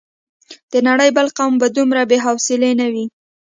د نړۍ بل قوم به دومره بې حوصلې نه وي.